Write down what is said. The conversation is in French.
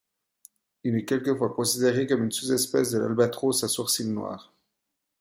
Il est quelquefois considéré comme une sous espèce de l'Albatros à sourcils noirs.